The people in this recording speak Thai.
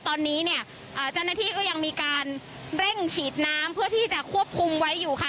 ตอนนี้เนี่ยเจ้าหน้าที่ก็ยังมีการเร่งฉีดน้ำเพื่อที่จะควบคุมไว้อยู่ค่ะ